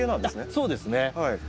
そうですね。